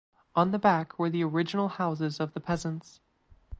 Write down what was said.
On the back were the original houses of the peasants.